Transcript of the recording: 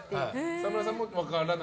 沢村さんも分からない？